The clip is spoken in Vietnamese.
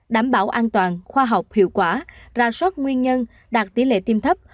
đảm bảo an toàn khoa học hiệu quả ra soát nguyên nhân đạt tỷ lệ tiêm thấp